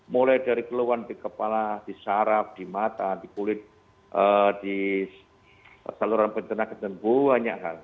mulai dari keluhan di kepala di saraf di mata di kulit di saluran pencenak dan banyak hal